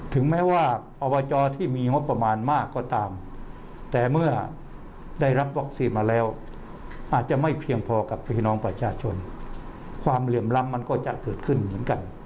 ถึงแม้ว่าอบจที่มีงบประมาณมากก็ตามแต่เมื่อได้รับวัคซีนมาแล้วอาจจะไม่เพียงพอกับพี่น้องประชาชนความเหลื่อมล้ำมันก็จะเกิดขึ้นเหมือนกัน